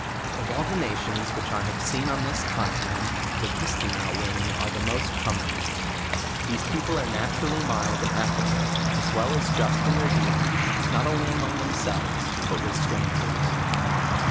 Of all the nations which I have seen on this continent, the Kisteneaux women are the most comely. These people are naturally mild and aria ble, as well as just in their deal ings, not only among themselves, but with strangers.